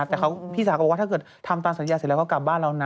แต่พี่สาวก็บอกว่าถ้าเกิดทำตามสัญญาเสร็จแล้วก็กลับบ้านเรานะ